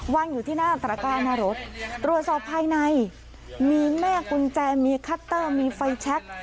วางอยู่ที่หน้าตระก้าหน้ารถตรวจสอบภายในมีแม่กุญแจมีคัตเตอร์มีไฟแชค